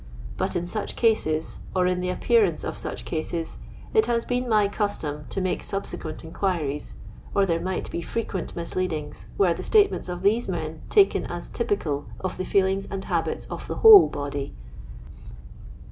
But in such cases, or in the appearance of such cases, it has been my custom to make subsequent inqoiries, or there might be frequent misleadings, were the stalHMnts of these men taken as typical of the feetinga and habits of the ^phoU body.